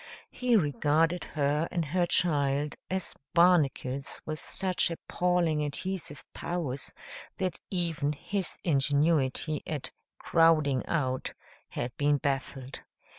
He regarded her and her child as barnacles with such appalling adhesive powers that even his ingenuity at "crowding out" had been baffled.